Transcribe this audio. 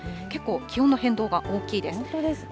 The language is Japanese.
結構気温の変動が大きいです。